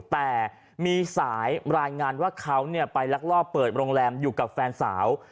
แต่มีสายรายงานว่าเขาไปลักลอบเปิดโรงแรมอยู่กับแฟนสาว